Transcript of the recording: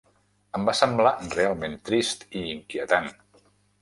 Em va semblar realment trist i inquietant.